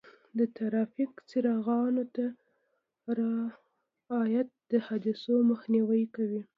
د ټرافیک څراغونو ته رعایت د حادثو مخنیوی کوي.